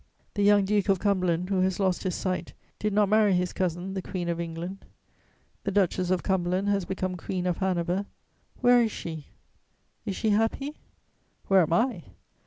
The young Duke of Cumberland, who has lost his sight, did not marry his cousin the Queen of England. The Duchess of Cumberland has become Queen of Hanover: where is she? Is she happy? Where am I?